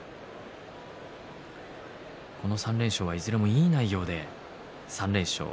この３連勝はいずれもいい内容で３連勝。